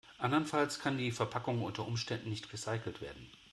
Andernfalls kann die Verpackung unter Umständen nicht recycelt werden.